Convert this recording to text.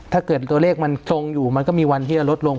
ถ้าเกิดตัวเลขมันตรงอยู่มันก็มีวันที่จะลดลง